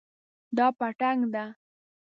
دا پتنګ ده